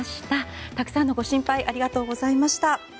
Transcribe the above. たくさんのご心配ありがとうございました。